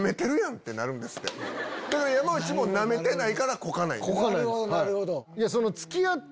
だから山内もナメてないからこかないんですって。